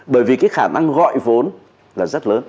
bởi vì cái khả năng gọi vốn là rất lớn